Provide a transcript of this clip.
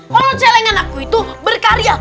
kalau celengan aku itu berkarya